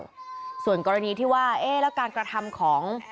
ยังไงเขาก็ยังเชื่ออยู่ในกระบวนการยุติธรรมของบ้านเรา